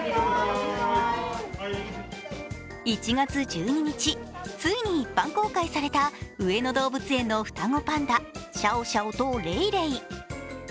１月１２日、ついに一般公開された上野動物園の双子パンダ、シャオシャオとレイレイ。